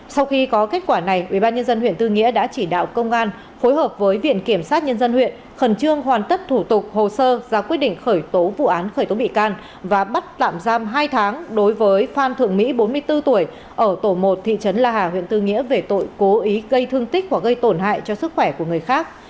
sau khi có kết quả này ubnd huyện tư nghĩa đã chỉ đạo công an phối hợp với viện kiểm sát nhân dân huyện khẩn trương hoàn tất thủ tục hồ sơ ra quyết định khởi tố vụ án khởi tố bị can và bắt tạm giam hai tháng đối với phan thượng mỹ bốn mươi bốn tuổi ở tổ một thị trấn la hà huyện tư nghĩa về tội cố ý gây thương tích hoặc gây tổn hại cho sức khỏe của người khác